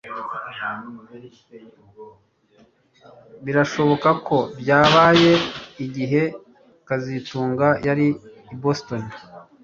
S Birashoboka ko byabaye igihe kazitunga yari i Boston